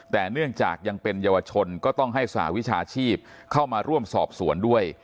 แต่เนื่องจากยังเป็นเยาวชนก็ต้องให้สหวิชาชีพเข้ามาร่วมสอบสวนด้วย